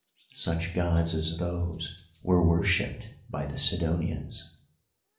Such gods as those were worshipped by the Sidonians.